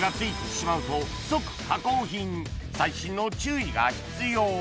細心の注意が必要・